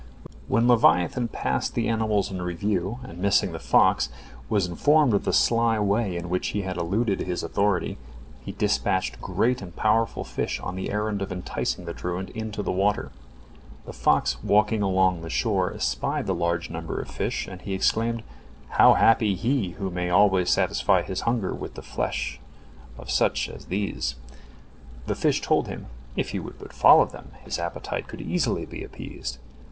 When leviathan passed the animals in review, and missing the fox was informed of the sly way in which he had eluded his authority, he dispatched great and powerful fish on the errand of enticing the truant into the water. The fox walking along the shore espied the large number of fish, and he exclaimed, "How happy he who may always satisfy his hunger with the flesh of such as these." The fish told him, if he would but follow them, his appetite could easily be appeased.